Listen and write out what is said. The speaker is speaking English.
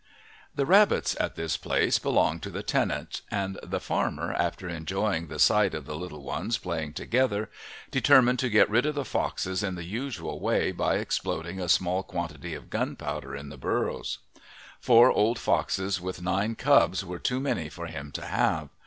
The rabbits at this place belonged to the tenant, and the farmer, after enjoying the sight of the little ones playing together, determined to get rid of the foxes in the usual way by exploding a small quantity of gunpowder in the burrows. Four old foxes with nine cubs were too many for him to have.